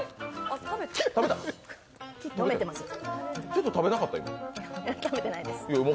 ちょっと食べなかった？